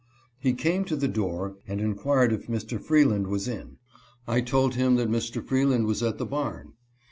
He came to the door, and inquired if Mr. Freeland was in. I told him that Mr. Freeland was at the barn.